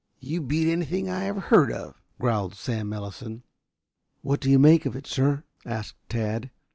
"You beat anything I ever heard of," growled Sam Ellison. "What do you make of it, sir?" asked Tad.